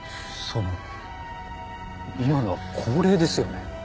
その今のは降霊ですよね？